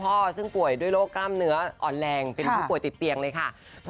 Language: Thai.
ซึ่งป่วยด้วยโรคกล้ามเนื้ออ่อนแรงเป็นผู้ป่วยติดเตียงเลยค่ะ